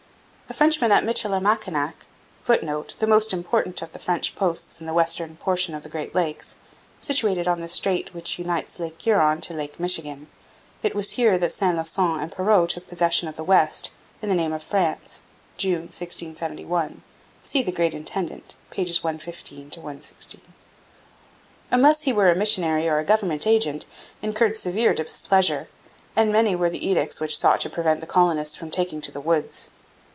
A Frenchman at Michilimackinac, [Footnote: The most important of the French posts in the western portion of the Great Lakes, situated on the strait which unites Lake Huron to Lake Michigan. It was here that Saint Lusson and Perrot took possession of the West in the name of France (June 1671). See The Great Intendant, pp. 115 16.] unless he were a missionary or a government agent, incurred severe displeasure, and many were the edicts which sought to prevent the colonists from taking to the woods.